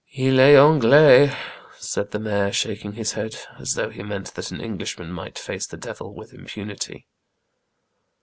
" II est Anglais," said the mayor, shaking his head, as though he meant that an Englishman might face the devil with impunity.